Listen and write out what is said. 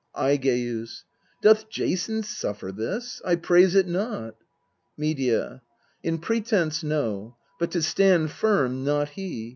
Aigcns. Doth Jason suffer this? I praise it not. Medea. In pretence, no : but to stand firm not he